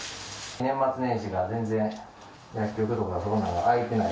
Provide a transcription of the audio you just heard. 年末年始が全然薬局とかそんなんが開いてないから。